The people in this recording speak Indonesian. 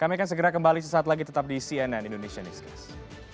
kami akan segera kembali sesaat lagi tetap di cnn indonesia newscast